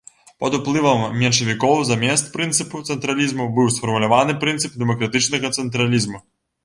Пад уплывам меншавікоў замест прынцыпу цэнтралізму быў сфармуляваны прынцып дэмакратычнага цэнтралізму.